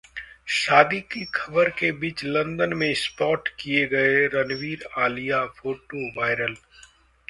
शादी की खबर के बीच लंदन में स्पॉट किए गए रणबीर-आलिया, फोटो वायरल